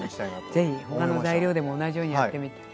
是非他の材料でも同じようにやってみて。